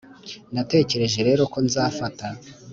natekereje rero ko nzafata